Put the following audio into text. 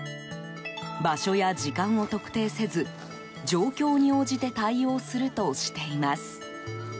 場所や時間を特定せず状況に応じて対応するとしています。